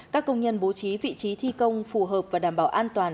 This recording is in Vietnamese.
các công nhân bố trí vị trí thi công phù hợp và đảm bảo an toàn